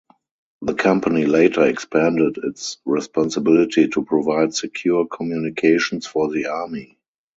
The company later expanded its responsibility to provide secure communications for the army.